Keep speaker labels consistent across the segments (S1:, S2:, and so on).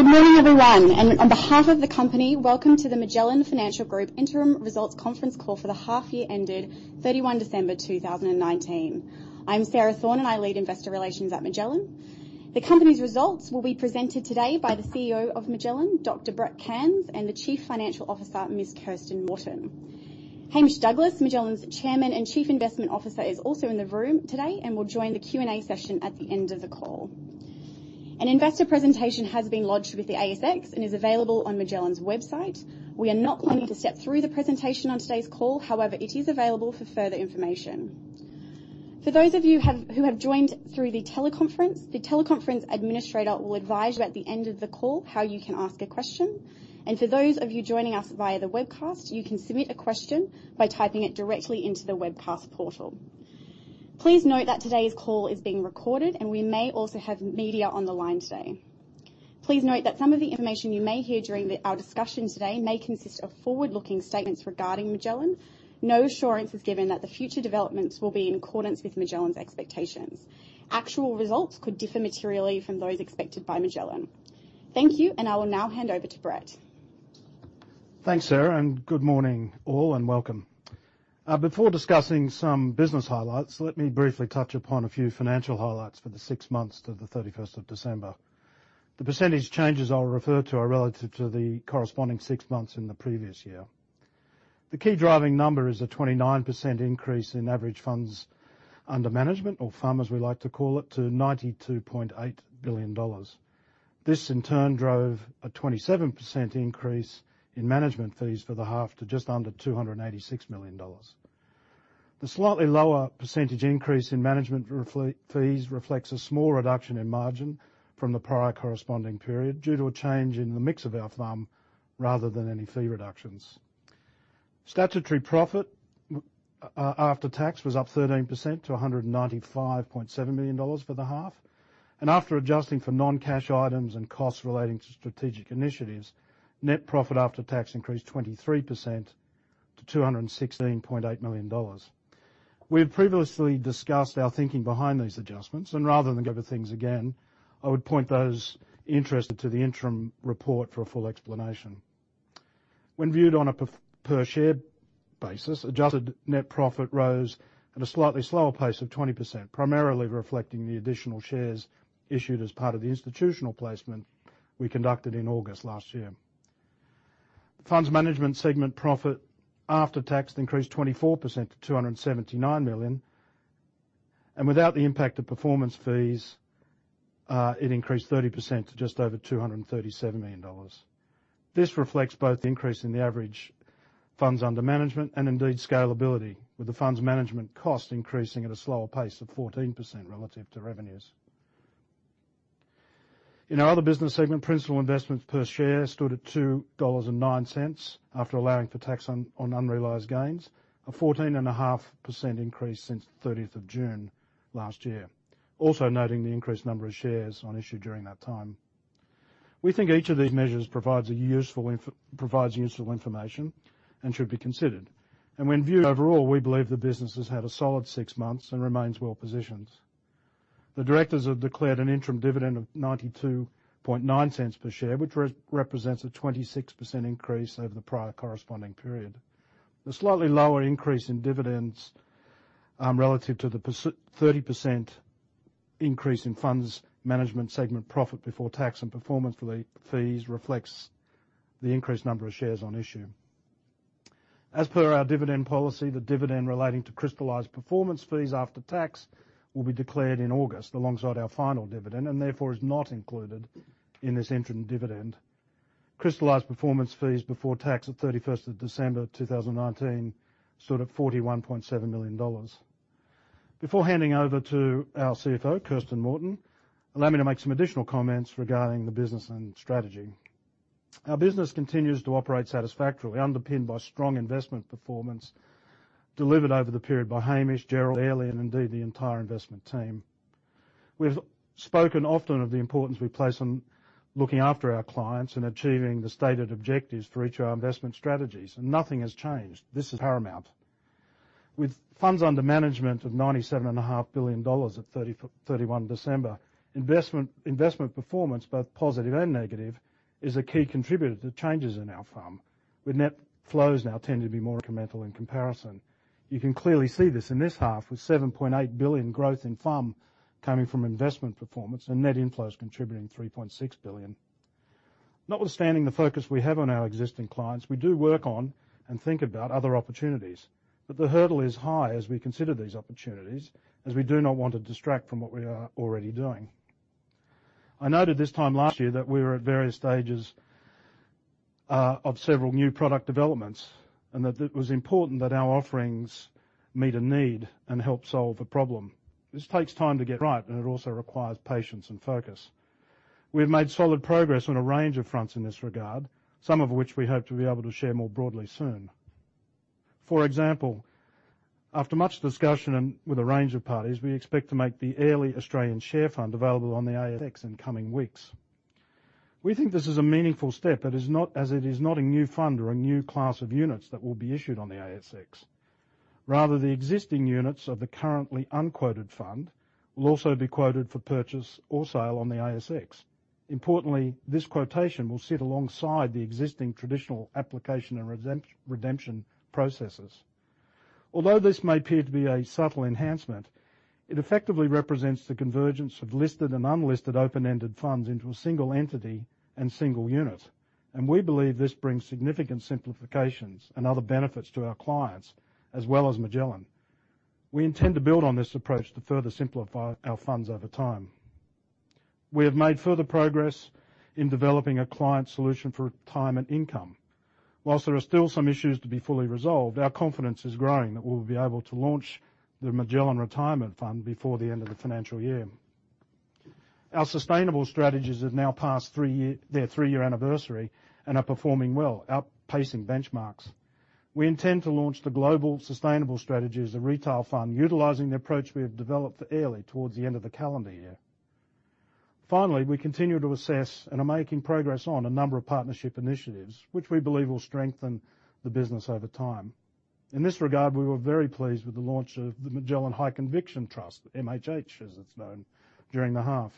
S1: Good morning, everyone, and on behalf of the company, welcome to the Magellan Financial Group Interim Results Conference Call for the half year ended 31 December 2019. I'm Sarah Thorne, and I lead investor relations at Magellan. The company's results will be presented today by the CEO of Magellan, Dr. Brett Cairns, and the Chief Financial Officer, Ms. Kirsten Morton. Hamish Douglass, Magellan's Chairman and Chief Investment Officer, is also in the room today and will join the Q&A session at the end of the call. An investor presentation has been lodged with the ASX and is available on Magellan's website. We are not planning to step through the presentation on today's call. However, it is available for further information. For those of you who have joined through the teleconference, the teleconference administrator will advise you at the end of the call how you can ask a question. For those of you joining us via the webcast, you can submit a question by typing it directly into the webcast portal. Please note that today's call is being recorded, and we may also have media on the line today. Please note that some of the information you may hear during our discussion today may consist of forward-looking statements regarding Magellan. No assurance is given that the future developments will be in accordance with Magellan's expectations. Actual results could differ materially from those expected by Magellan. Thank you, and I will now hand over to Brett.
S2: Thanks, Sarah, good morning, all, and welcome. Before discussing some business highlights, let me briefly touch upon a few financial highlights for the six months to the 31st of December. The percentage changes I'll refer to are relative to the corresponding six months in the previous year. The key driving number is a 29% increase in average funds under management, or FUM, as we like to call it, to 92.8 billion dollars. This, in turn, drove a 27% increase in management fees for the half to just under 286 million dollars. The slightly lower percentage increase in management fees reflects a small reduction in margin from the prior corresponding period due to a change in the mix of our FUM rather than any fee reductions. Statutory profit after tax was up 13% to 195.7 million dollars for the half. After adjusting for non-cash items and costs relating to strategic initiatives, net profit after tax increased 23% to 216.8 million dollars. We have previously discussed our thinking behind these adjustments, and rather than go over things again, I would point those interested to the interim report for a full explanation. When viewed on a per-share basis, adjusted net profit rose at a slightly slower pace of 20%, primarily reflecting the additional shares issued as part of the institutional placement we conducted in August last year. The funds management segment profit after tax increased 24% to 279 million. Without the impact of performance fees, it increased 30% to just over 237 million dollars. This reflects both the increase in the average funds under management and indeed scalability, with the funds management cost increasing at a slower pace of 14% relative to revenues. In our other business segment, principal investments per share stood at 2.09 dollars after allowing for tax on unrealized gains, a 14.5% increase since the 30th of June last year. Also noting the increased number of shares on issue during that time. When viewed overall, we believe the business has had a solid six months and remains well-positioned. The directors have declared an interim dividend of 0.929 per share, which represents a 26% increase over the prior corresponding period. The slightly lower increase in dividends relative to the 30% increase in funds management segment profit before tax and performance fees reflects the increased number of shares on issue. As per our dividend policy, the dividend relating to crystallized performance fees after tax will be declared in August alongside our final dividend and therefore is not included in this interim dividend. Crystallized performance fees before tax at 31st of December 2019 stood at 41.7 million dollars. Before handing over to our CFO, Kirsten Morton, allow me to make some additional comments regarding the business and strategy. Our business continues to operate satisfactorily, underpinned by strong investment performance delivered over the period by Hamish, Gerald, Airlie, and indeed the entire investment team. We've spoken often of the importance we place on looking after our clients and achieving the stated objectives for each of our investment strategies. Nothing has changed. This is paramount. With funds under management of 97.5 billion dollars at 31 December, investment performance, both positive and negative, is a key contributor to changes in our FUM, with net flows now tending to be more incremental in comparison. You can clearly see this in this half, with 7.8 billion growth in FUM coming from investment performance and net inflows contributing 3.6 billion. Notwithstanding the focus we have on our existing clients, we do work on and think about other opportunities. The hurdle is high as we consider these opportunities, as we do not want to distract from what we are already doing. I noted this time last year that we were at various stages of several new product developments, and that it was important that our offerings meet a need and help solve a problem. This takes time to get right, and it also requires patience and focus. We've made solid progress on a range of fronts in this regard, some of which we hope to be able to share more broadly soon. For example, after much discussion with a range of parties, we expect to make the Airlie Australian Share Fund available on the ASX in the coming weeks. We think this is a meaningful step, as it is not a new fund or a new class of units that will be issued on the ASX. Rather, the existing units of the currently unquoted fund will also be quoted for purchase or sale on the ASX. Importantly, this quotation will sit alongside the existing traditional application and redemption processes. Although this may appear to be a subtle enhancement, it effectively represents the convergence of listed and unlisted open-ended funds into a single entity and single unit, and we believe this brings significant simplifications and other benefits to our clients as well as Magellan. We intend to build on this approach to further simplify our funds over time. We have made further progress in developing a client solution for retirement income. Whilst there are still some issues to be fully resolved, our confidence is growing that we will be able to launch the Magellan Retirement Fund before the end of the financial year. Our sustainable strategies have now passed their three-year anniversary and are performing well, outpacing benchmarks. We intend to launch the Magellan Sustainable Strategy as a retail fund, utilizing the approach we have developed for Airlie towards the end of the calendar year. We continue to assess and are making progress on a number of partnership initiatives, which we believe will strengthen the business over time. In this regard, we were very pleased with the launch of the Magellan High Conviction Trust, MHH as it's known, during the half.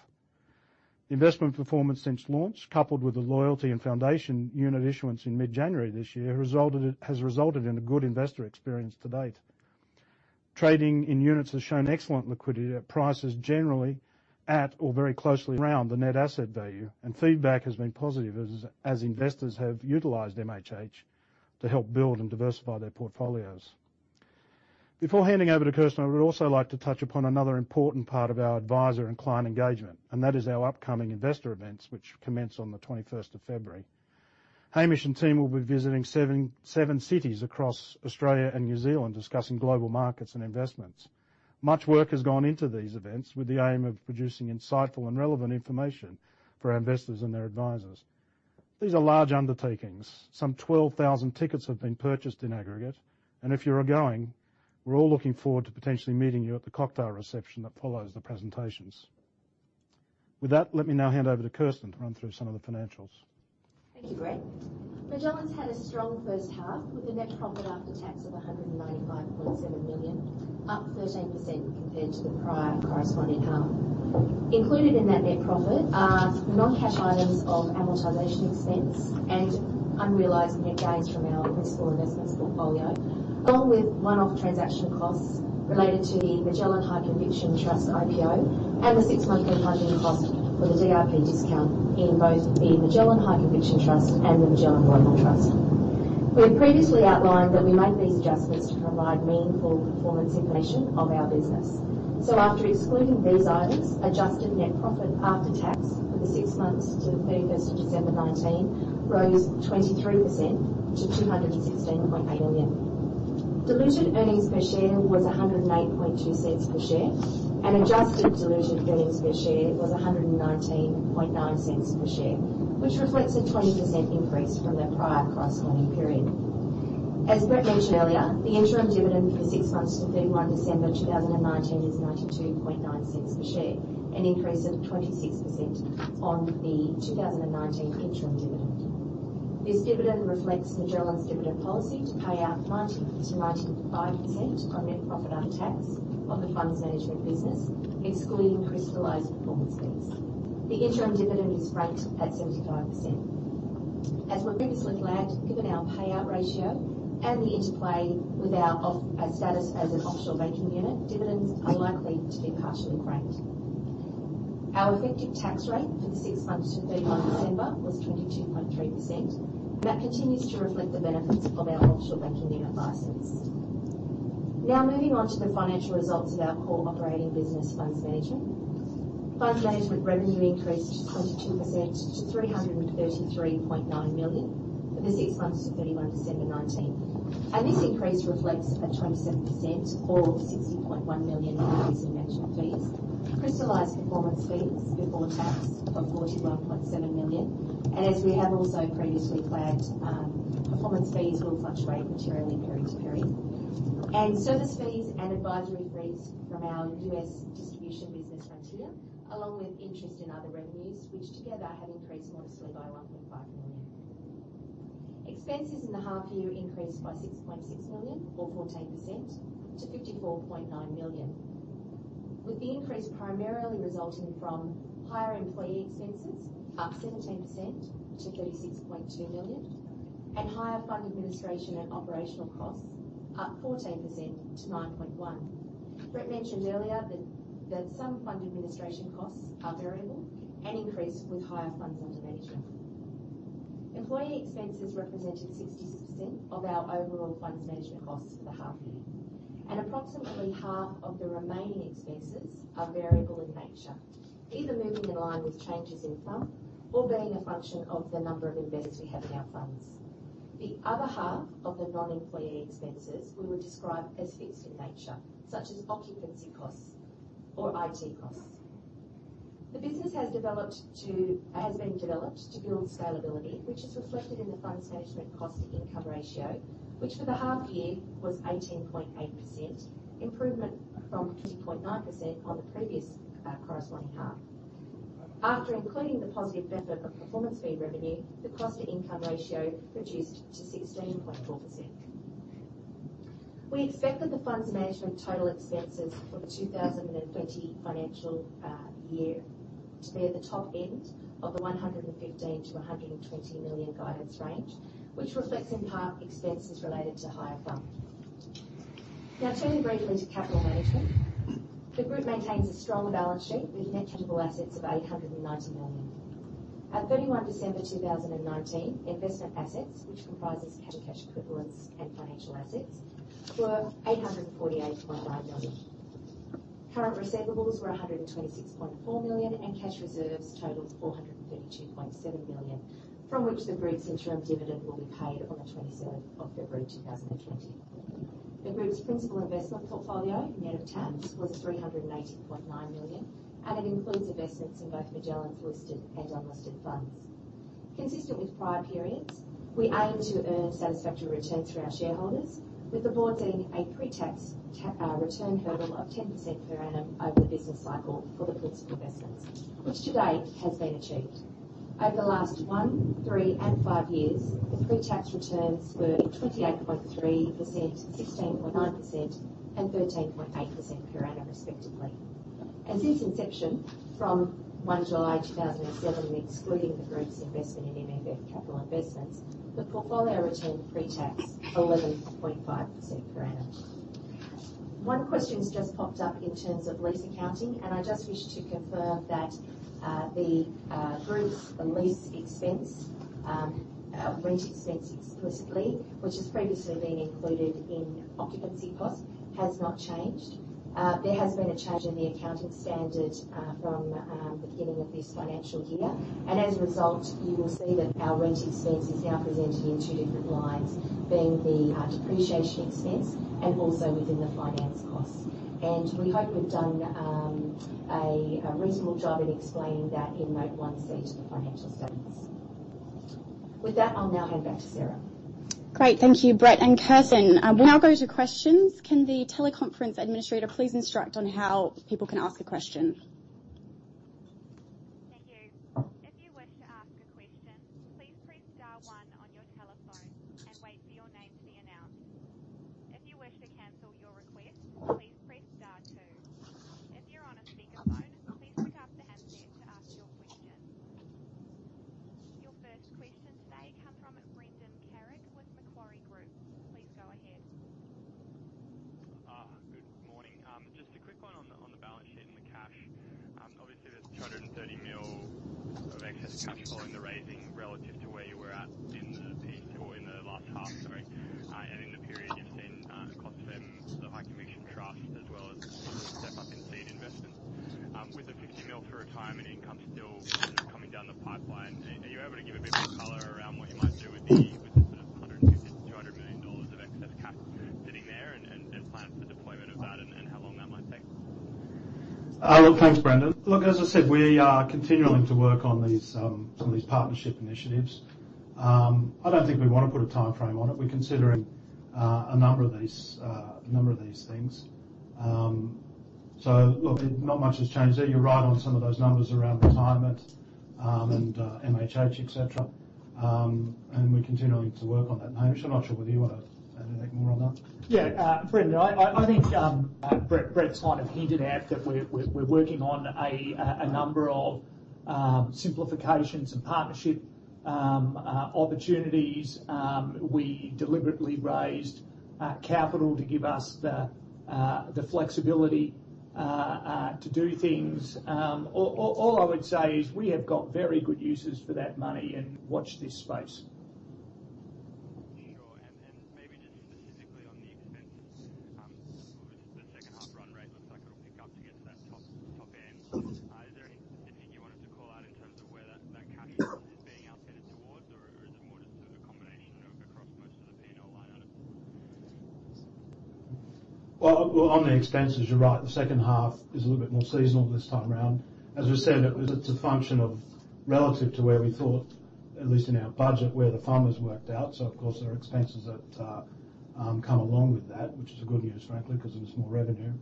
S2: Investment performance since launch, coupled with the loyalty and foundation unit issuance in mid-January this year, has resulted in a good investor experience to date. Trading in units has shown excellent liquidity at prices generally at or very closely around the net asset value, feedback has been positive as investors have utilized MHH to help build and diversify their portfolios. Before handing over to Kirsten, I would also like to touch upon another important part of our advisor and client engagement, and that is our upcoming investor events, which commence on the 21st of February. Hamish and team will be visiting seven cities across Australia and New Zealand discussing global markets and investments. Much work has gone into these events with the aim of producing insightful and relevant information for our investors and their advisors. These are large undertakings. Some 12,000 tickets have been purchased in aggregate, and if you are going, we're all looking forward to potentially meeting you at the cocktail reception that follows the presentations. With that, let me now hand over to Kirsten to run through some of the financials.
S3: Thank you, Brett. Magellan's had a strong first half with a net profit after tax of 195.7 million, up 13% compared to the prior corresponding half. Included in that net profit are non-cash items of amortization expense and unrealized net gains from our risk or investments portfolio, along with one-off transaction costs related to the Magellan High Conviction Trust IPO and the six-monthly funding cost for the DRP discount in both the Magellan High Conviction Trust and the Magellan Global Trust. We have previously outlined that we make these adjustments to provide meaningful performance information of our business. After excluding these items, adjusted net profit after tax for the six months to the 31st of December 2019 rose 23% to 216.8 million. Diluted earnings per share was 1.082 per share, and adjusted diluted earnings per share was AUD 1.199 per share, which reflects a 20% increase from the prior corresponding period. As Brett mentioned earlier, the interim dividend for six months to 31 December 2019 is 0.929 per share, an increase of 26% on the 2019 interim dividend. This dividend reflects Magellan's dividend policy to pay out 90%-95% on net profit after tax on the funds management business, excluding crystallized performance fees. The interim dividend is ranked at 75%. As we previously flagged, given our payout ratio and the interplay with our status as an offshore banking unit, dividends are likely to be partially ranked. Our effective tax rate for the six months to 31 December was 22.3%, and that continues to reflect the benefits of our offshore banking unit license. Moving on to the financial results of our core operating business, funds management. Funds management revenue increased 22% to 333.9 million for the six months to 31 December 2019. This increase reflects a 27% or 60.1 million increase in management fees, crystallized performance fees before tax of 41.7 million and as we have also previously flagged, performance fees will fluctuate materially period to period. Service fees and advisory fees from our U.S. distribution business, Frontier, along with interest in other revenues, which together have increased modestly by 1.5 million. Expenses in the half-year increased by 6.6 million or 14% to 54.9 million, with the increase primarily resulting from higher employee expenses up 17% to 36.2 million and higher fund administration and operational costs up 14% to 9.1 million. Brett mentioned earlier that some fund administration costs are variable and increase with higher funds under management. Employee expenses represented 60% of our overall funds management costs for the half-year, and approximately half of the remaining expenses are variable in nature, either moving in line with changes in FUM or being a function of the number of investors we have in our funds. The other half of the non-employee expenses we would describe as fixed in nature, such as occupancy costs or IT costs. The business has been developed to build scalability, which is reflected in the funds management cost-to-income ratio, which for the half year was 18.8%, an improvement from 20.9% on the previous corresponding half. After including the positive benefit of performance fee revenue, the cost-to-income ratio reduced to 16.4%. We expect that the funds management total expenses for the 2020 financial year to be at the top end of the 115 million-120 million guidance range, which reflects in part expenses related to higher funds. Now turning briefly to capital management. The group maintains a strong balance sheet with net tangible assets of 890 million. At 31 December 2019, investment assets, which comprises cash equivalents and financial assets, were 848.5 million. Current receivables were 126.4 million and cash reserves totals 432.7 million, from which the group's interim dividend will be paid on the 27th of February 2020. The group's principal investment portfolio net of tabs was 380.9 million, and it includes investments in both Magellan's listed and unlisted funds. Consistent with prior periods, we aim to earn satisfactory returns for our shareholders, with the board setting a pre-tax return hurdle of 10% per annum over the business cycle for the principal investments, which to date has been achieved. Over the last one, three and five years, the pre-tax returns were 28.3%, 16.9% and 13.8% per annum respectively. Since inception from July 2007, excluding the group's investment in MFF Capital Investments, the portfolio returned pre-tax 11.5% per annum. One question has just popped up in terms of lease accounting. I just wish to confirm that the group's lease expense, rent expense explicitly, which has previously been included in occupancy cost, has not changed. There has been a change in the accounting standard from the beginning of this financial year, and as a result, you will see that our rent expense is now presented in two different lines, being the depreciation expense and also within the finance costs. We hope we've done a reasonable job in explaining that in note 1C to the financial statements. With that, I'll now hand back to Sarah.
S1: Great. Thank you, Brett and Kirsten. We'll now go to questions. Can the teleconference administrator please instruct on how people can ask a question?
S4: Thank you.
S2: Not much has changed there. You're right on some of those numbers around retirement and MHH, et cetera. We're continuing to work on that. Hamish, I'm not sure whether you want to add anything more on that.
S5: Yeah. Brendan, I think Brett kind of hinted at that we're working on a number of simplifications and partnership opportunities. We deliberately raised capital to give us the flexibility to do things. All I would say is we have got very good uses for that money and watch this space.
S6: Sure. Maybe just specifically on the expenses. The second half run rate looks like it will pick up to get to that top end. Is there anything you wanted to call out in terms of where that catch-up is being allocated towards? Is it more just a combination of across most of the P&L line items?
S2: On the expenses, you're right, the second half is a little bit more seasonal this time around. As we said, it's a function of relative to where we thought, at least in our budget, where the fund was worked out. Of course, there are expenses that come along with that, which is good news, frankly, because it was more revenue.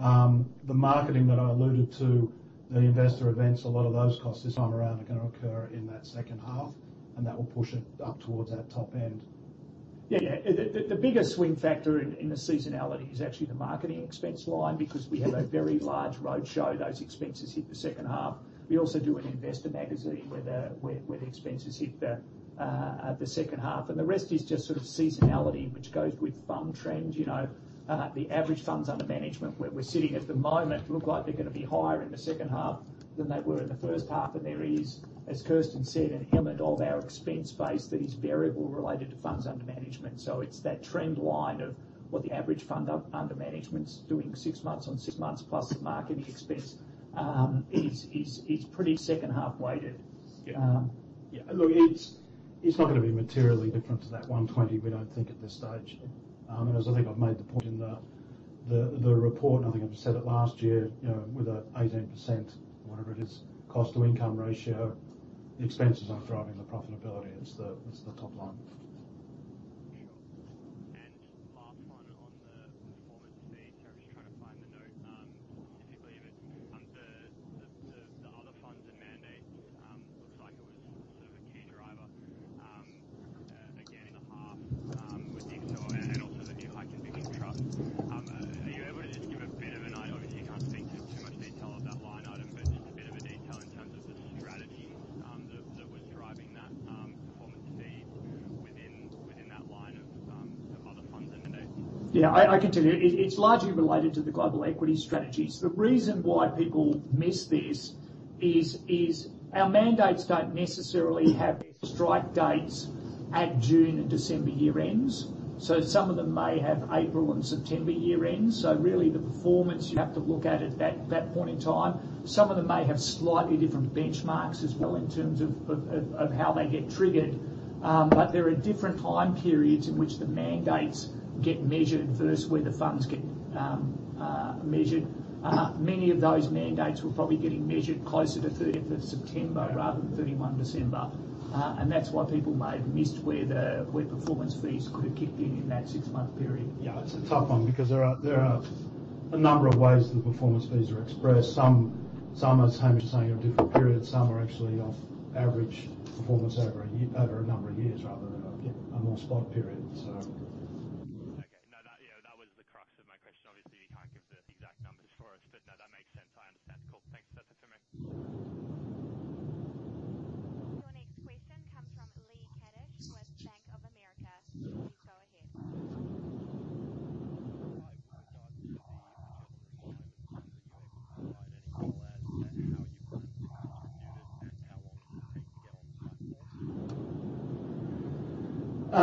S2: The marketing that I alluded to, the investor events, a lot of those costs this time around are going to occur in that second half, and that will push it up towards that top end.
S5: The biggest swing factor in the seasonality is actually the marketing expense line because we have a very large road show. Those expenses hit the second half. We also do an investor magazine where the expenses hit the second half, the rest is just sort of seasonality, which goes with fund trends. The average funds under management where we're sitting at the moment look like they're going to be higher in the second half than they were in the first half. There is, as Kirsten said, an element of our expense base that is variable related to funds under management. It's that trend line of what the average fund under management's doing six months on six months plus the marketing expense is pretty second half weighted.
S2: Look, it's not going to be materially different to that 120 we don't think at this stage. As I think I've made the point in the report, and I think I've said it last year, with that 18%, whatever it is, cost-to-income ratio, the expenses aren't driving the profitability. It's the top line.
S6: Trying to find the note. Typically, the other funds and mandates looks like it was sort of a key driver, again, in half with this and also the new High Conviction Trust. Are you able to just give a bit of Obviously, you can't speak to too much detail of that line item, but just a bit of a detail in terms of the strategy that was driving that performance fee within that line of other funds and mandates.
S5: Yeah, I can tell you, it's largely related to the global equity strategies. The reason why people miss this is our mandates don't necessarily have strike dates at June and December year-ends. Some of them may have April and September year ends. Really, the performance you have to look at it at that point in time. Some of them may have slightly different benchmarks as well in terms of how they get triggered. There are different time periods in which the mandates get measured versus where the funds get measured. Many of those mandates were probably getting measured closer to 30th of September rather than 31 December, and that's why people may have missed where performance fees could have kicked in in that six-month period.
S2: Yeah, it's a tough one because there are a number of ways that performance fees are expressed. Some, as Hamish was saying, are different periods, some are actually off average performance over a number of years rather than a more spot period.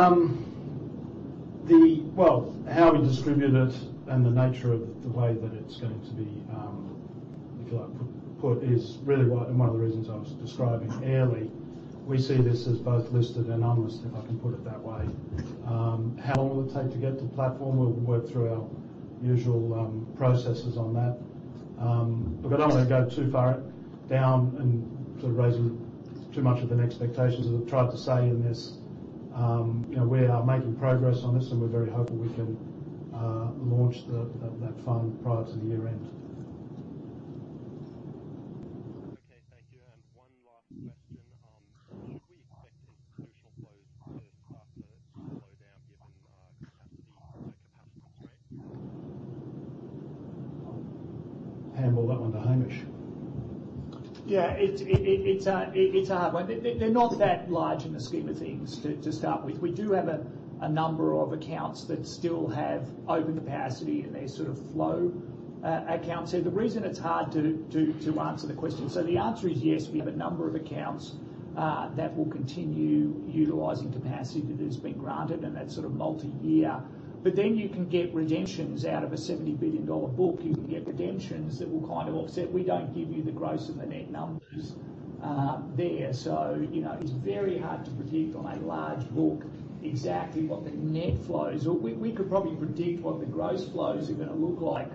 S6: Okay. That was the crux of my question. Obviously, you can't give the exact numbers for us, but no, that makes sense. I understand. Cool. Thanks for that.
S4: Your next question comes from Lee Kadish with Bank of America. Please go ahead.
S7: Hi. With regards to the retirement fund, are you able to provide any color as to how you plan to distribute it and how long it will take to get on the platform?
S2: How we distribute it and the nature of the way that it's going to be put is really one of the reasons I was describing earlier. We see this as both listed and unlisted, if I can put it that way. How long will it take to get to platform? We'll work through our usual processes on that. I don't want to go too far down and sort of raising too much of an expectation, as I've tried to say in this, we are making progress on this, and we're very hopeful we can launch that fund prior to the year end.
S7: Okay, thank you. One last question. Should we expect a crucial flow versus after slow down given capacity constraints?
S2: Handball that one to Hamish.
S5: Yeah. It’s a hard one. They’re not that large in the scheme of things to start with. We do have a number of accounts that still have open capacity in their sort of flow accounts. The reason it’s hard to answer the question, the answer is yes, we have a number of accounts that will continue utilizing capacity that has been granted, and that’s sort of multi-year. You can get redemptions out of an 70 billion dollar book. You can get redemptions that will kind of offset. We don’t give you the gross and the net numbers there. It's very hard to predict on a large book exactly what the net flows. We could probably predict what the gross flows are going to look like,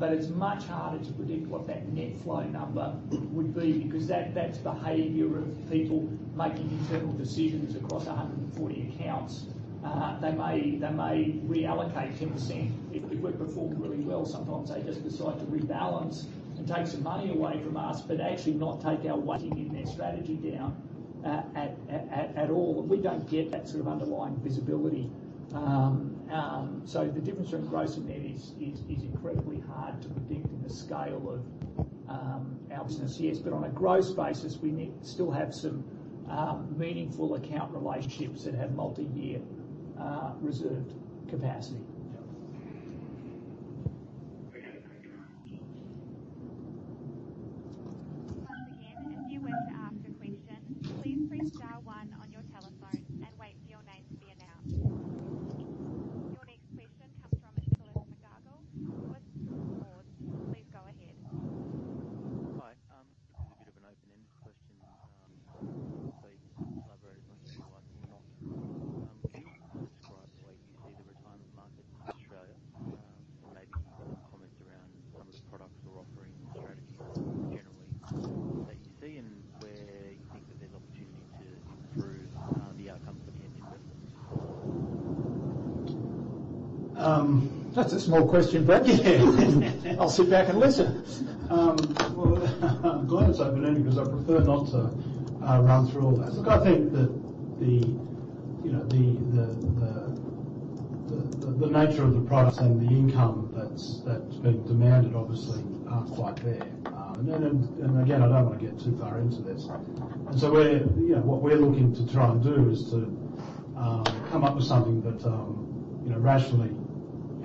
S5: but it's much harder to predict what that net flow number would be, because that's behavior of people making internal decisions across 140 accounts. They may reallocate 10%. If we perform really well, sometimes they just decide to rebalance and take some money away from us, but actually not take our weighting in their strategy down at all. We don't get that sort of underlying visibility. The difference between gross and net is incredibly hard to predict in the scale of our business. On a gross basis, we still have some meaningful account relationships that have multi-year reserved capacity.
S2: Yeah.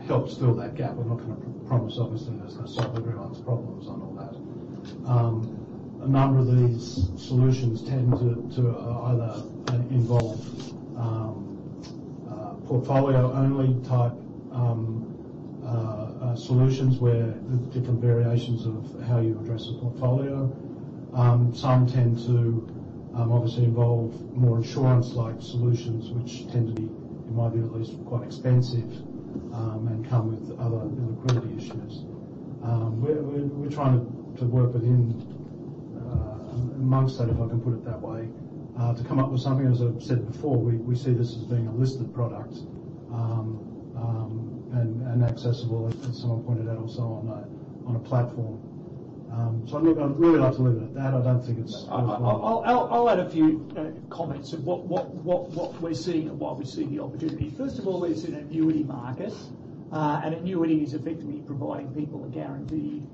S5: helps fill that gap. We're not going to promise, obviously, that's going to solve everyone's problems on all that. A number of these solutions tend to either involve portfolio only type solutions where there's different variations of how you address a portfolio. Some tend to obviously involve more insurance like solutions, which tend to be, in my view at least, quite expensive and come with other liquidity issues. We're trying to work within. Amongst that, if I can put it that way, to come up with something, as I've said before, we see this as being a listed product, and accessible, as someone pointed out also, on a platform. I'd really like to leave it at that. I'll add a few comments of what we're seeing and why we're seeing the opportunity. First of all, we've seen annuity markets. An annuity is effectively providing people a guaranteed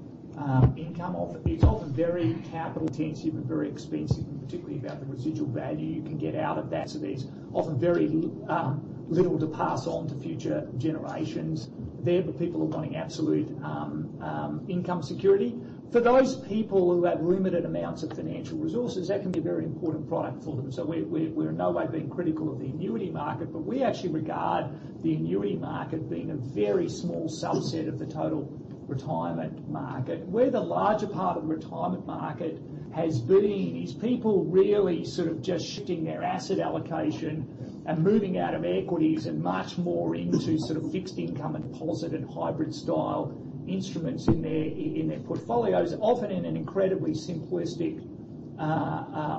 S5: income. It's often very capital intensive and very expensive. Particularly about the residual value you can get out of that, there's often very little to pass on to future generations there, but people are wanting absolute income security. For those people who have limited amounts of financial resources, that can be a very important product for them. We're in no way being critical of the annuity market, but we actually regard the annuity market being a very small subset of the total retirement market. Where the larger part of the retirement market has been is people really just shifting their asset allocation and moving out of equities and much more into sort of fixed income and deposit and hybrid style instruments in their portfolios, often in an incredibly simplistic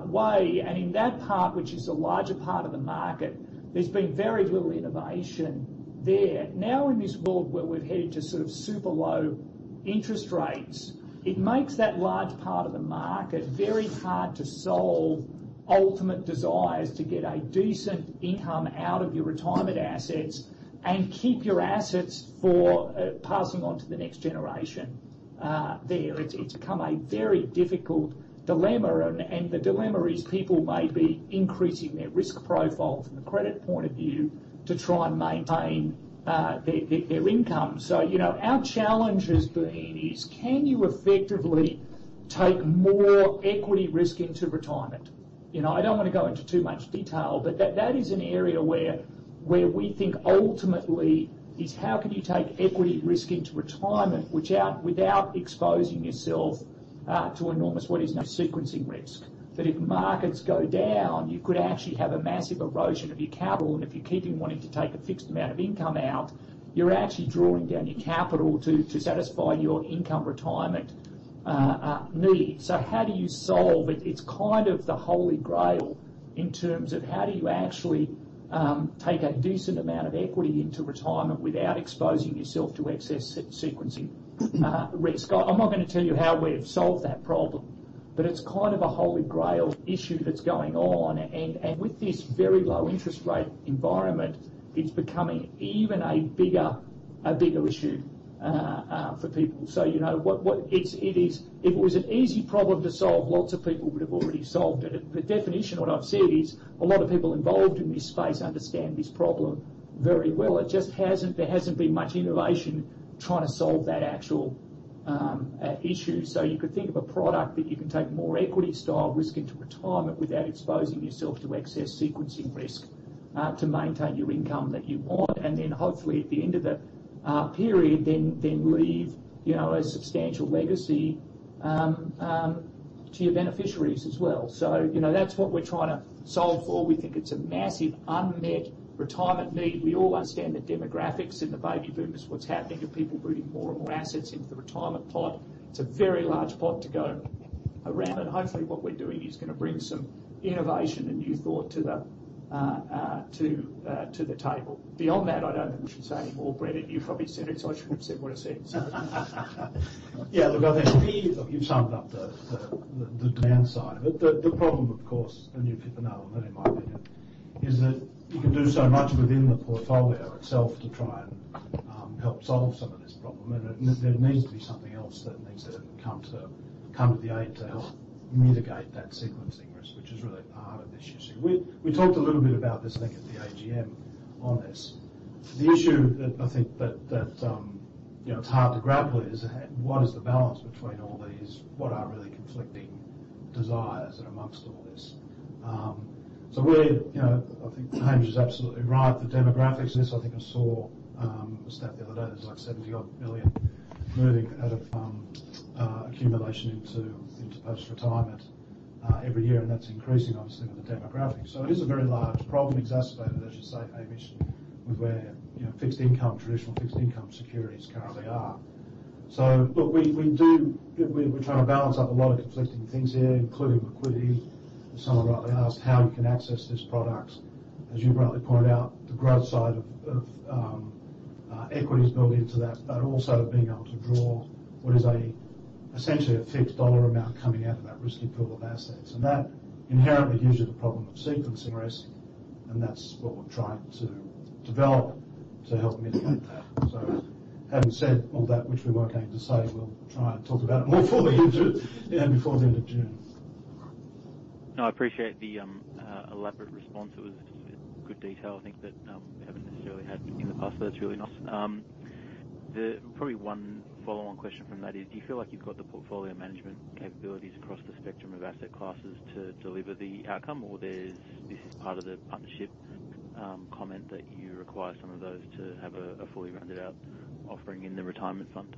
S5: way. In that part, which is the larger part of the market, there's been very little innovation there. Now, in this world where we've headed to sort of super low interest rates, it makes that large part of the market very hard to solve ultimate desires to get a decent income out of your retirement assets and keep your assets for passing on to the next generation there. It's become a very difficult dilemma, and the dilemma is people may be increasing their risk profile from a credit point of view to try and maintain their income. Our challenge has been is, can you effectively take more equity risk into retirement? I don't want to go into too much detail, but that is an area where we think ultimately is how can you take equity risk into retirement, without exposing yourself, to enormous what is now sequencing risk. That if markets go down, you could actually have a massive erosion of your capital, and if you're keeping wanting to take a fixed amount of income out, you're actually drawing down your capital to satisfy your income retirement need. How do you solve it? It's kind of the holy grail in terms of how do you actually take a decent amount of equity into retirement without exposing yourself to excess sequencing risk. I'm not going to tell you how we've solved that problem, but it's kind of a holy grail issue that's going on, and with this very low interest rate environment, it's becoming even a bigger issue for people. If it was an easy problem to solve, lots of people would have already solved it. By definition, what I've seen is a lot of people involved in this space understand this problem very well. There hasn't been much innovation trying to solve that actual issue. You could think of a product that you can take more equity style risk into retirement without exposing yourself to excess sequencing risk, to maintain your income that you want, and then hopefully at the end of the period, then leave a substantial legacy to your beneficiaries as well. That's what we're trying to solve for. We think it's a massive unmet retirement need. We all understand the demographics and the baby boomers, what's happening to people putting more and more assets into the retirement pot. It's a very large pot to go around, and hopefully what we're doing is going to bring some innovation and new thought to the table. Beyond that, I don't think we should say any more. Brett, you've probably said it, so I shouldn't have said what I said.
S2: Yeah, look, I think you've summed up the downside of it. The problem, of course, and you'd pin the nail on that, in my opinion, is that you can do so much within the portfolio itself to try and help solve some of this problem. There needs to be something else that needs to come to the aid to help mitigate that sequencing risk, which is really the heart of this issue. We talked a little bit about this, I think, at the AGM on this. The issue that I think that it's hard to grapple is, what is the balance between all these? What are really conflicting desires amongst all this? I think Hamish is absolutely right. The demographics, this I think I saw a stat the other day, there's like 70 odd million moving out of accumulation into post-retirement every year. That's increasing, obviously, with the demographics. It is a very large problem, exacerbated, as you say, Hamish, with where traditional fixed-income securities currently are. Look, we're trying to balance up a lot of conflicting things here, including liquidity. Someone rightly asked how you can access this product. As you rightly pointed out, the growth side of equities is built into that, also being able to draw what is essentially a fixed dollar amount coming out of that risky pool of assets. That inherently gives you the problem of sequencing risk. That's what we're trying to develop to help mitigate that. Having said all that, which we weren't going to say, we'll try and talk about it more fully into and before the end of June.
S8: I appreciate the elaborate response. It was good detail I think that we haven't necessarily had in the past, so that's really nice. Probably one follow-on question from that is, do you feel like you've got the portfolio management capabilities across the spectrum of asset classes to deliver the outcome? There's this part of the partnership comment that you require some of those to have a fully rounded out offering in the retirement fund?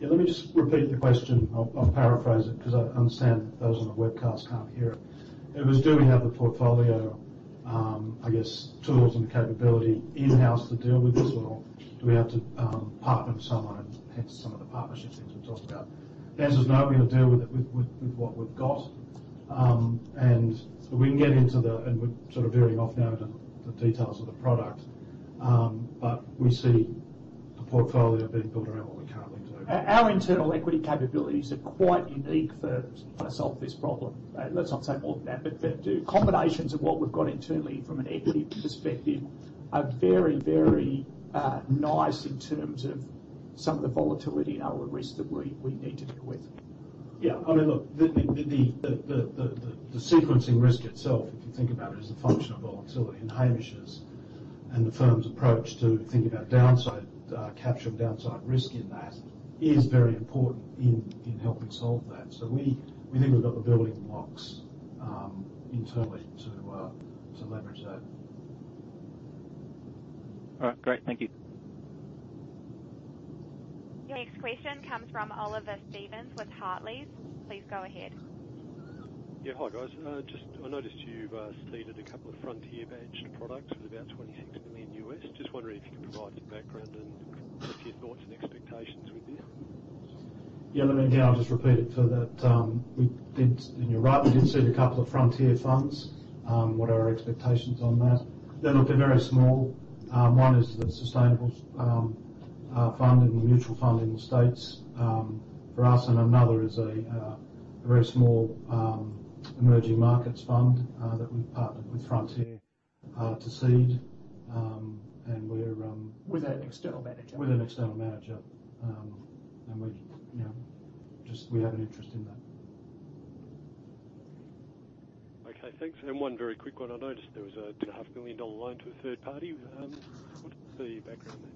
S2: Yeah, let me just repeat your question. I'll paraphrase it because I understand that those on the webcast can't hear it. It was, do we have the portfolio I guess, tools and capability in-house to deal with this, or do we have to partner with someone and hence some of the partnership things we've talked about? The answer is no, we're going to deal with it with what we've got. We're sort of veering off now into the details of the product, but we see the portfolio being built around what we currently do.
S5: Our internal equity capabilities are quite unique to solve this problem. Let's not say more than that, but the combinations of what we've got internally from an equity perspective are very nice in terms of some of the volatility and other risks that we need to deal with.
S2: Yeah. Look, the sequencing risk itself, if you think about it, is a function of volatility. Hamish's and the firm's approach to think about capturing downside risk in that is very important in helping solve that. We think we've got the building blocks internally to leverage that.
S8: All right, great. Thank you.
S4: Your next question comes from Oliver Stevens with Hartleys. Please go ahead.
S9: Hi, guys. Just I noticed you've seeded a couple of Frontier-badged products with about $26 million. Just wondering if you could provide some background and your thoughts and expectations with this?
S2: Yeah, look, again, I'll just repeat it. You're right, we did seed a couple of Frontier funds. What are our expectations on that? Look, they're very small. One is the Magellan Sustainable Fund in the mutual fund in the U.S. for us, and another is a very small emerging markets fund that we've partnered with Frontier to seed.
S5: With an external manager.
S2: With an external manager. We have an interest in that.
S9: Okay, thanks. One very quick one. I noticed there was a 2.5 million dollar loan to a third party. What's the background there?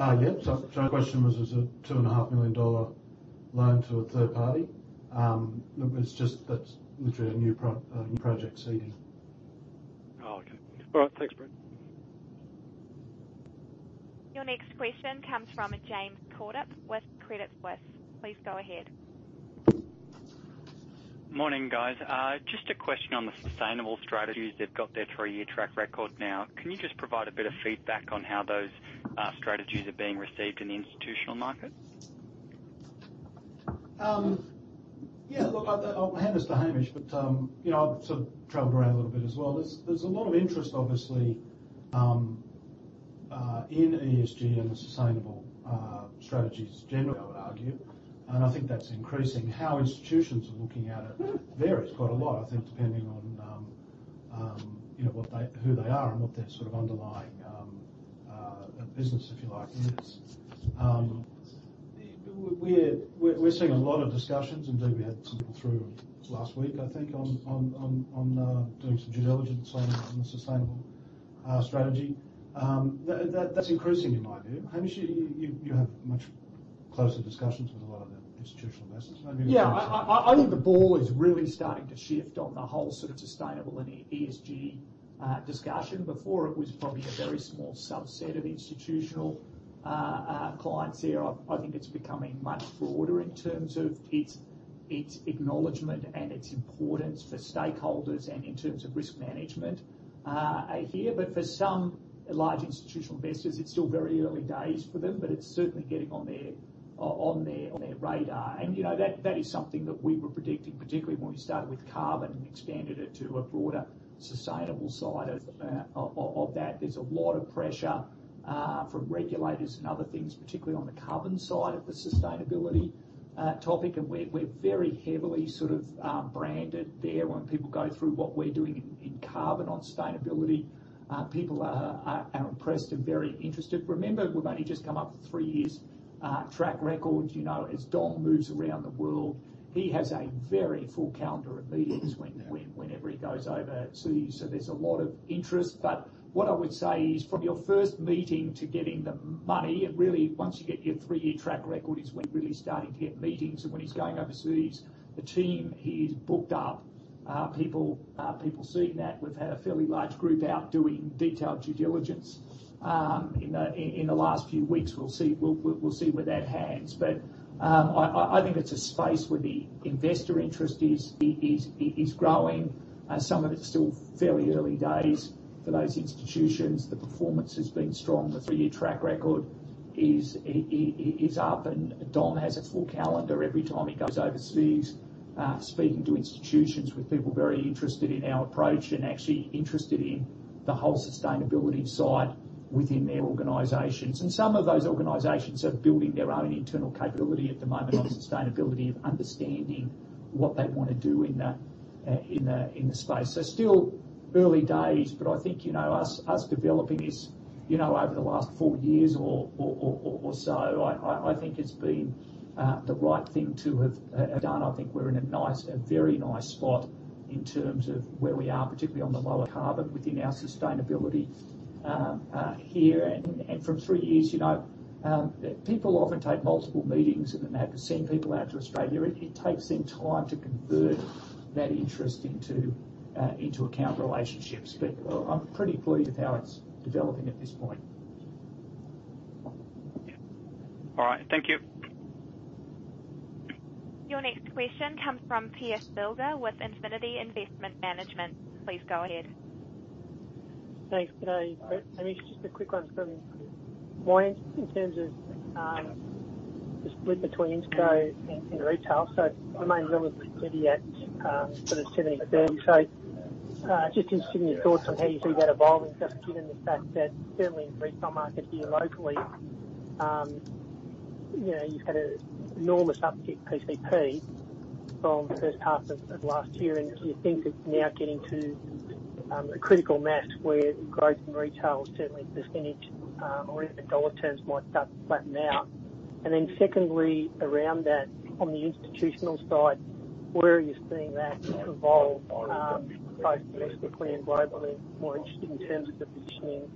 S2: Yeah. The question was, there's a 2.5 million dollar loan to a third party. That's literally a new project seeding.
S9: Oh, okay. All right. Thanks, Brett.
S4: Your next question comes from James Shorthouse with Credit Suisse. Please go ahead.
S10: Morning, guys. Just a question on the Sustainable strategies. They've got their three-year track record now. Can you just provide a bit of feedback on how those strategies are being received in the institutional market?
S2: Yeah, look, I'll hand this to Hamish, but I've sort of traveled around a little bit as well. There's a lot of interest, obviously, in ESG and the sustainable strategies generally, I would argue, and I think that's increasing. How institutions are looking at it varies quite a lot, I think, depending on who they are and what their sort of underlying business, if you like, is. We're seeing a lot of discussions. Indeed, we had some people through last week, I think, on doing some due diligence on the Sustainable Strategy. That's increasing in my view. Hamish, you have much closer discussions with a lot of the institutional investors maybe.
S5: Yeah, I think the ball is really starting to shift on the whole sort of sustainable and ESG discussion. Before, it was probably a very small subset of institutional clients here. I think it's becoming much broader in terms of its acknowledgment and its importance for stakeholders and in terms of risk management here. For some large institutional investors, it's still very early days for them, but it's certainly getting on their radar. That is something that we were predicting, particularly when we started with carbon and expanded it to a broader sustainable side of that. There's a lot of pressure from regulators and other things, particularly on the carbon side of the sustainability topic, and we're very heavily sort of branded there when people go through what we're doing in carbon on sustainability. People are impressed and very interested. Remember, we've only just come up with three years track record. As Dom moves around the world, he has a very full calendar of meetings whenever he goes overseas. There's a lot of interest. What I would say is from your first meeting to getting the money, it really, once you get your three-year track record, is when you're really starting to get meetings. When he's going overseas, the team, he's booked up. People seeing that. We've had a fairly large group out doing detailed due diligence in the last few weeks. We'll see where that heads. I think it's a space where the investor interest is growing. Some of it's still fairly early days for those institutions. The performance has been strong. The three-year track record is up. Dom has a full calendar every time he goes overseas speaking to institutions, with people very interested in our approach and actually interested in the whole sustainability side within their organizations. Some of those organizations are building their own internal capability at the moment on sustainability, of understanding what they want to do in the space. Still early days, but I think us, developing this over the last four years or so, I think it's been the right thing to have done. I think we're in a very nice spot in terms of where we are, particularly on the lower carbon within our sustainability here. From three years, people often take multiple meetings, and then they have to send people out to Australia. It takes them time to convert that interest into account relationships. I'm pretty pleased with how it's developing at this point.
S10: All right. Thank you.
S4: Your next question comes from Pierre Filger with Infinity Investment Management. Please go ahead.
S11: Thanks. G'day. Hamish, just a quick one from my end in terms of the split between insto and retail. It remains relatively at sort of 70/30. Just interested in your thoughts on how you see that evolving, just given the fact that certainly in the retail market here locally, you've had an enormous uptick PCP from the first half of last year, do you think it's now getting to a critical mass where growth in retail, certainly percentage or even AUD terms might start to flatten out? Secondly, around that, on the institutional side, where are you seeing that evolve both domestically and globally? More interested in terms of the positioning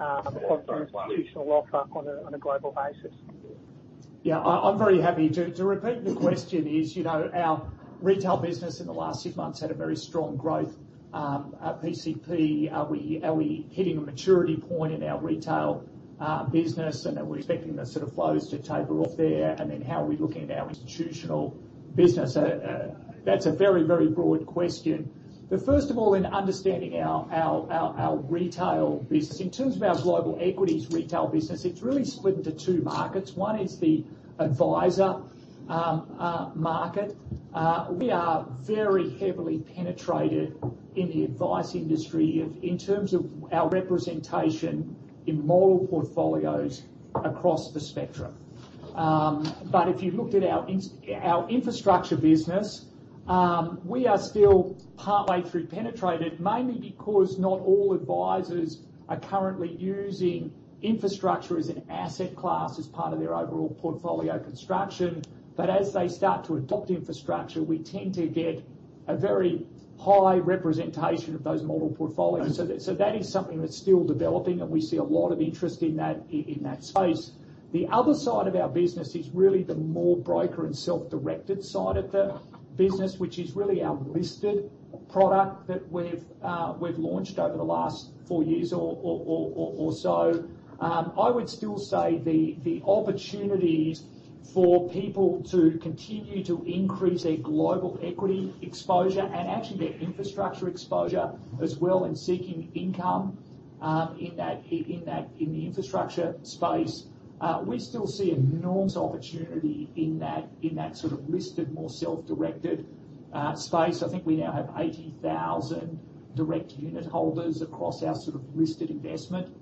S11: of the institutional lockup on a global basis.
S5: Yeah. I'm very happy. To repeat the question is, our retail business in the last six months had a very strong growth, PCP. Are we hitting a maturity point in our retail business and are we expecting the sort of flows to taper off there? How are we looking at our institutional business? That's a very broad question. First of all, in understanding our retail business, in terms of our global equities retail business, it's really split into two markets. One is the advisor market. We are very heavily penetrated in the advice industry in terms of our representation in model portfolios across the spectrum. If you looked at our infrastructure business, we are still partway through penetrated, mainly because not all advisors are currently using infrastructure as an asset class as part of their overall portfolio construction. As they start to adopt infrastructure, we tend to get a very high representation of those model portfolios. That is something that's still developing, and we see a lot of interest in that space. The other side of our business is really the more broker and self-directed side of the business, which is really our listed product that we've launched over the last four years or so. I would still say the opportunities for people to continue to increase their global equity exposure and actually their infrastructure exposure as well in seeking income in the infrastructure space, we still see enormous opportunity in that sort of listed, more self-directed space. I think we now have 80,000 direct unit holders across our sort of listed investment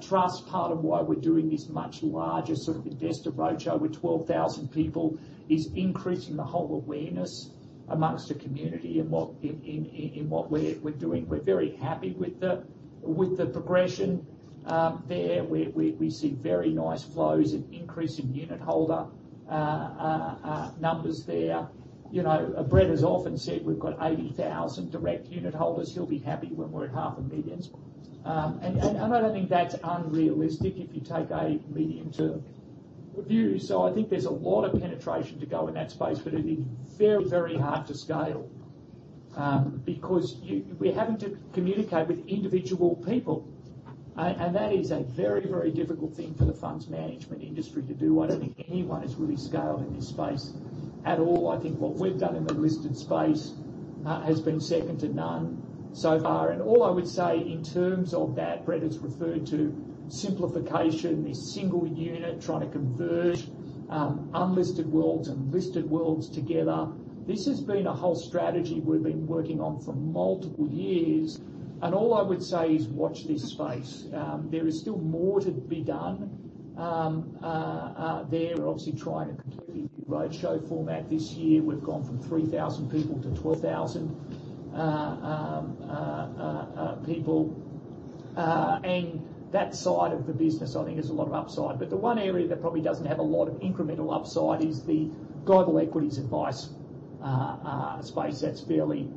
S5: trust. Part of why we're doing this much larger sort of investor roadshow with 12,000 people is increasing the whole awareness amongst the community in what we're doing. We're very happy with the progression there. We see very nice flows and increase in unit holder numbers there. Brett has often said we've got 80,000 direct unit holders. He'll be happy when we're at half a million. I don't think that's unrealistic if you take a medium-term view. I think there's a lot of penetration to go in that space, but it is very hard to scale because we're having to communicate with individual people. That is a very difficult thing for the funds management industry to do. I don't think anyone has really scaled in this space at all. I think what we've done in the listed space has been second to none so far. All I would say in terms of that, Brett has referred to simplification, this single unit, trying to converge unlisted worlds and listed worlds together. This has been a whole strategy we've been working on for multiple years, and all I would say is watch this space. There is still more to be done there. We are obviously trying a completely new roadshow format this year. We have gone from 3,000-12,000 people. That side of the business, I think, has a lot of upside. The one area that probably doesn't have a lot of incremental upside is the global equities advice space. That is fairly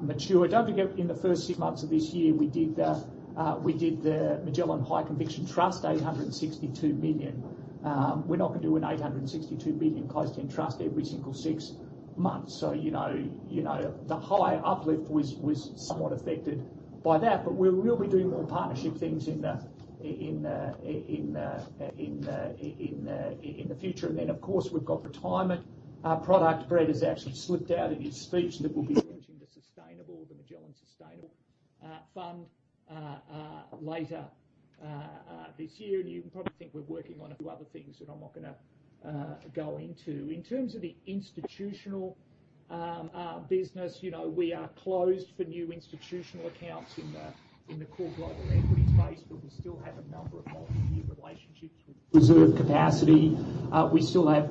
S5: mature. Do not forget, in the first six months of this year, we did the Magellan High Conviction Trust, 862 million. We are not going to do an 862 million closed-end trust every single six months. The high uplift was somewhat affected by that. We'll be doing more partnership things in the future. Then, of course, we've got retirement product. Brett has actually slipped out in his speech that we'll be launching the sustainable, the Magellan Sustainable Fund later this year. You can probably think we're working on a few other things that I'm not going to go into. In terms of the institutional business, we are closed for new institutional accounts in the core global equity space, but we still have a number of multi-year relationships with reserve capacity. We still have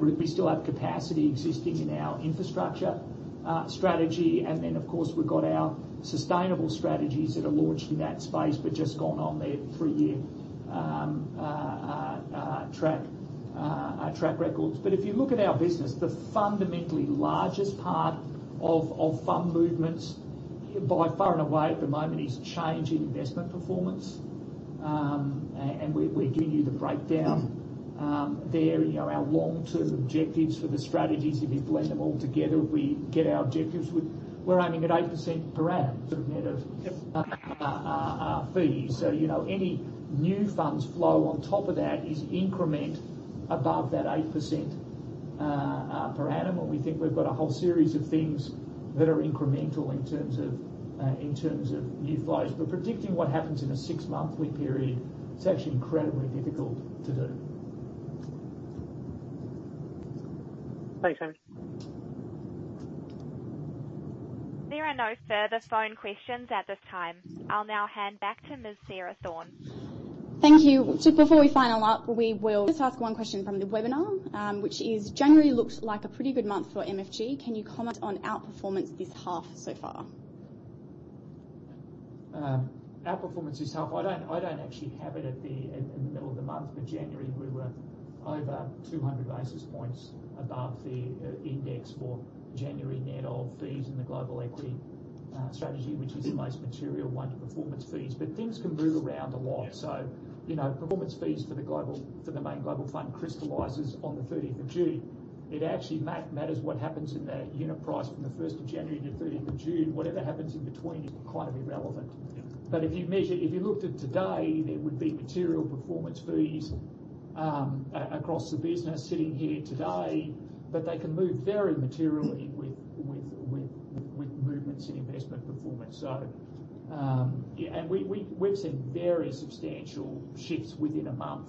S5: capacity existing in our infrastructure strategy. Then, of course, we've got our sustainable strategies that are launched in that space, but just gone on their three-year track records. If you look at our business, the fundamentally largest part of fund movements by far and away at the moment is change in investment performance. We're giving you the breakdown there in our long-term objectives for the strategies, if you blend them all together, we get our objectives with we're aiming at 8% per annum sort of fees. Any new funds flow on top of that is increment above that 8% per annum. We think we've got a whole series of things that are incremental in terms of new flows. Predicting what happens in a six-monthly period, it's actually incredibly difficult to do.
S11: Thanks, Hamish.
S4: There are no further phone questions at this time. I'll now hand back to Ms. Sarah Thorne.
S1: Thank you. Just before we final up, we will just ask one question from the webinar, which is: January looks like a pretty good month for MFG. Can you comment on outperformance this half so far?
S5: Outperformance this half, I don't actually have it in the middle of the month. January we were over 200 basis points above the index for January net of fees in the global equity strategy, which is the most material one to performance fees. Things can move around a lot. Performance fees for the main global fund crystallizes on the 30th of June. It actually matters what happens in that unit price from the 1st of January to 30th of June. Whatever happens in between is kind of irrelevant.
S2: Yeah.
S5: If you looked at today, there would be material performance fees across the business sitting here today, but they can move very materially with movements in investment performance. Yeah. We've seen very substantial shifts within a month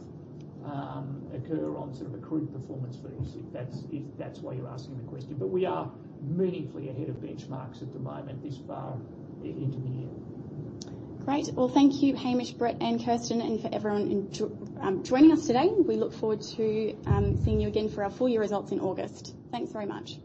S5: occur on sort of accrued performance fees, if that's why you're asking the question. We are meaningfully ahead of benchmarks at the moment this far into the year.
S1: Great. Well, thank you, Hamish, Brett, and Kirsten, and for everyone joining us today. We look forward to seeing you again for our full-year results in August. Thanks very much.